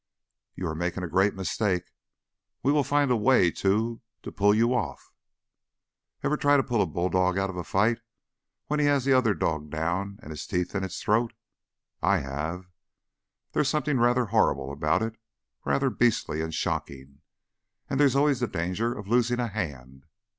"You are making a great mistake. We will find a way to to pull you off." "Ever try to pull a bulldog out of a fight when he had the other dog down and his teeth in its throat? I have. There's something rather horrible about it rather beastly and shocking. And there's always the danger of losing a hand."